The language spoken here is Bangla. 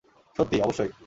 সত্যি, - অবশ্যই।